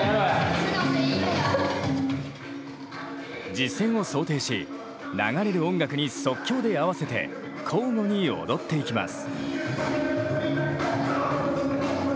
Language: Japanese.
実戦を想定し流れる音楽に即興で合わせて交互に踊っていきます。